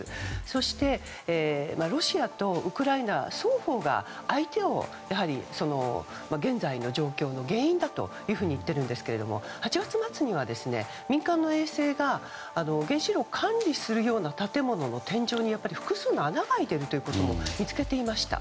そしてロシアとウクライナ双方が相手が現在の状況の原因だといっているんですが８月末には民間の衛星が原子炉を管理する建物の天井に複数の穴が開いてることも見つけていました。